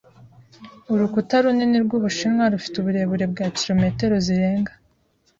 Urukuta runini rw'Ubushinwa rufite uburebure bwa kilometero zirenga .